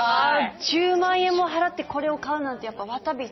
１０万円も払ってこれを買うなんてやっぱわたび